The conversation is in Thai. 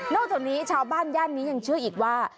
จากนี้ชาวบ้านย่านนี้ยังเชื่ออีกว่า